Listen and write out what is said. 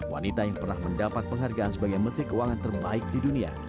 wanita yang pernah mendapat penghargaan sebagai menteri keuangan terbaik di dunia